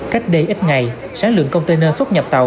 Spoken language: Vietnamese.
cách đây ít ngày sản lượng container xuất nhập tàu